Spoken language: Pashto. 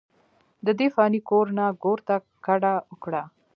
ددې فاني کور نه ګور ته کډه اوکړه،